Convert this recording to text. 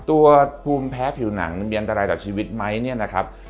ตัวภูมิแพ้ผิวหนังมีอันตรายกับชีวิตไหมเนี่ยนะครับ